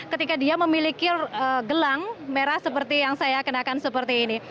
ketika dia memiliki gelang merah seperti yang saya kenakan seperti ini